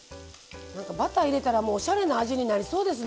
バター入れたらおしゃれな味になりそうですね